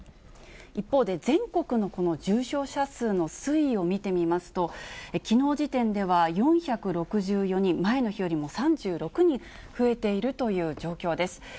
一方で、全国のこの重症者数の推移を見てみますと、きのう時点では４６４人、前の日よりも３６人増えているという状況です。